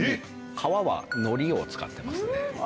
皮は海苔を使ってますね。